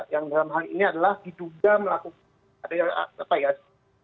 yang dalam hal ini adalah diduga melakukan